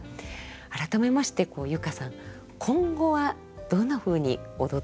改めまして佑歌さん今後はどんなふうに踊っていかれたいですか。